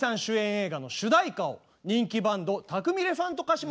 映画の主題歌を人気バンド「たくみレファントカシマシ」。